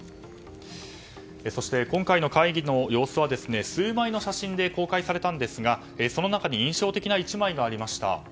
そして今回の会議の様子は数枚の写真で公開されたんですがその中に印象的な１枚がありました。